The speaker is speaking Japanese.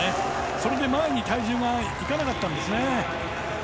それで、前に体重がいかなかったんですね。